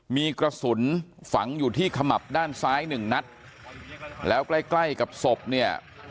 มีกระสุนฝังอยู่ที่ขมับด้านซ้ายหนึ่งนัดแล้วใกล้ใกล้กับศพเนี่ย